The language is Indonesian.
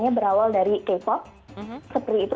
saya mulai berawal dari k pop seperti itu